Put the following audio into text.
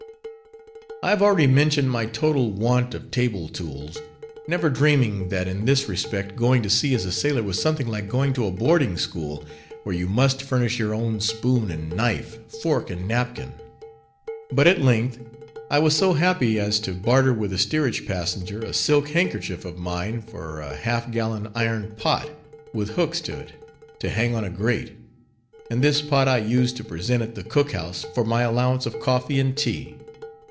I have already mentioned my total want of table tools; never dreaming, that, in this respect, going to sea as a sailor was something like going to a boarding school, where you must furnish your own spoon and knife, fork, and napkin. But at length, I was so happy as to barter with a steerage passenger a silk handkerchief of mine for a half gallon iron pot, with hooks to it, to hang on a grate; and this pot I used to present at the cook house for my allowance of coffee and tea.